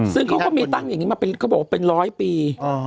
ซึ่งเขาก็มีตั้งอย่างนี้มาเป็นเขาบอกว่าเป็นร้อยปี